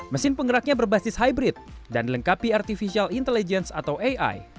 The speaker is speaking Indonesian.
mesin penggeraknya berbasis hybrid dan dilengkapi artificial intelligence atau ai